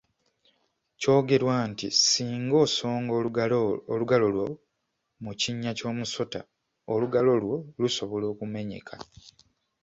Kyogerwa nti singa osonga olugalo lwo mu kinnya ky’omusota, olugalo lwo lusobola okumenyeka.